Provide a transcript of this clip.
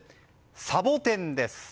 サボテンです。